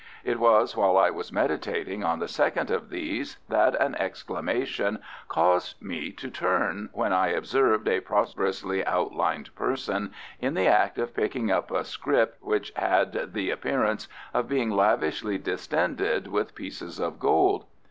It was while I was meditating on the second of these that an exclamation caused me to turn, when I observed a prosperously outlined person in the act of picking up a scrip which had the appearance of being lavishly distended with pieces of gold.